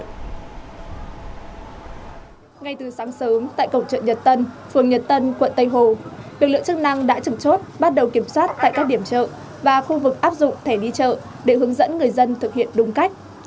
ngay từ sáng sớm tại cổng chợ nhật tân phường nhật tân quận tây hồ lực lượng chức năng đã trực chốt bắt đầu kiểm soát tại các điểm chợ và khu vực áp dụng thẻ đi chợ để hướng dẫn người dân thực hiện đúng cách